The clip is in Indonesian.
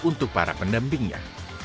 untuk para pendampingnya